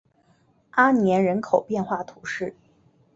阿年人口变化图示